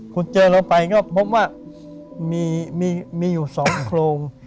ขุดเจอไปก็พบว่ามีอยู่สองโครง